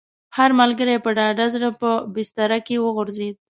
هر ملګری په ډاډه زړه په بستره کې وغځېد.